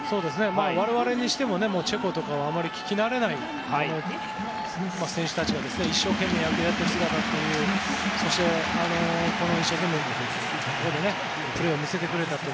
我々にしてもチェコとかはあまり聞きなれない選手たちが一生懸命、野球をやっている姿プレーを見せてくれたという。